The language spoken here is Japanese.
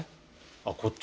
あっこっち？